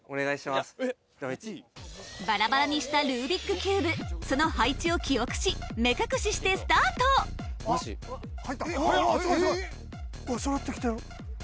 バラバラにしたルービックキューブその配置を記憶し目隠ししてスタート速っ！